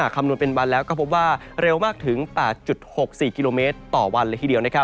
คำนวณเป็นวันแล้วก็พบว่าเร็วมากถึง๘๖๔กิโลเมตรต่อวันเลยทีเดียว